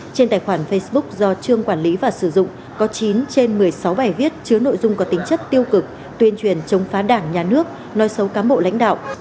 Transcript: trên tài khoản facebook do trương quản lý và sử dụng có chín trên một mươi sáu bài viết chứa nội dung có tính chất tiêu cực tuyên truyền chống phá đảng nhà nước nói xấu cán bộ lãnh đạo